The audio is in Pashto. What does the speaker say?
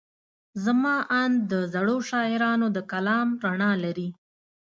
زما اند د زړو شاعرانو د کلام رڼا لري.